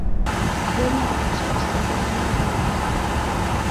Bonya mecha, kusebonye maw'iw'i.